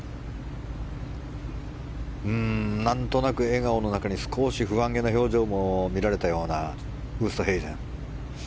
何となく笑顔の中に不安げな表情も見られたようなウーストヘイゼン。